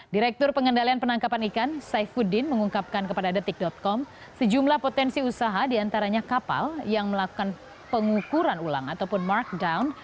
direktur pengendalian penangkapan ikan saifuddin mengungkapkan kepada detik com sejumlah potensi usaha diantaranya kapal yang melakukan pengukuran ulang ataupun markdown